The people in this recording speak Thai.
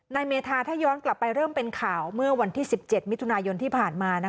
เมธาถ้าย้อนกลับไปเริ่มเป็นข่าวเมื่อวันที่๑๗มิถุนายนที่ผ่านมา